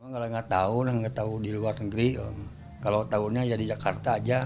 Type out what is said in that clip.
kalau tidak tahu tidak tahu di luar negeri kalau tahu di jakarta saja